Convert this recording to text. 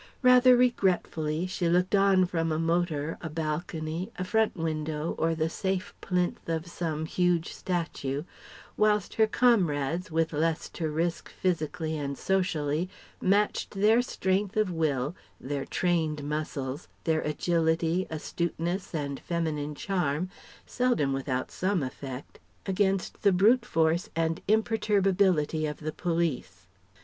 Rather regretfully, she looked on from a motor, a balcony, a front window or the safe plinth of some huge statue, whilst her comrades, with less to risk physically and socially, matched their strength of will, their trained muscles, their agility, astuteness and feminine charm (seldom without some effect) against the brute force and imperturbability of the Police.